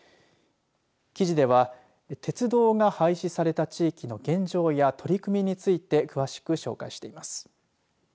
記事では鉄道が廃止された地域の現状や取り組みについて詳しく紹介しています。